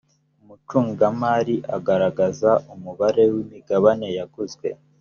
umucungamari agaragaza umubare w imigabane yaguzwe